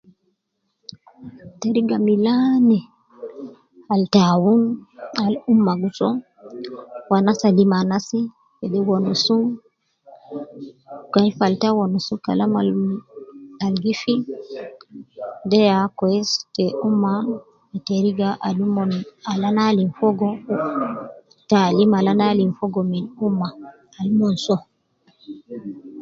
Teriga milaani, al ta awun al umma giso, fi anas, lim anas, kede wonusu. Gayi falata , wonus kalam al gi fi, deya wesi ta umma. Teriga al umon, ana alim fogo taalim al ana alim fogo fi umma al umon so.